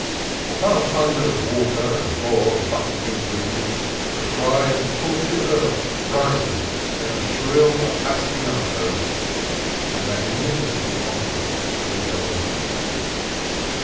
Above thunder of water and roar of buffeting wind the cry of the tortured earth rises in shrill appas sionato, a magnificent concert of the elements.